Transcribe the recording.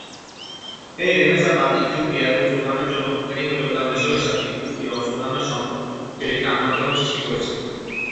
এই রেনেসাঁ বাঁধ ইথিওপিয়া এবং সুদানের জন্য উপকারী হলেও তা মিশরের সাথে ইথিওপিয়া ও সুদানের সম্পর্কে টানাপোড়েন সৃষ্টি করেছে।